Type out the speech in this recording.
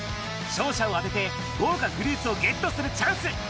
勝者を当てて、豪華フルーツをゲットするチャンス。